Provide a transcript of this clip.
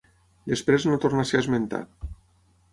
Després no torna a ser esmentat.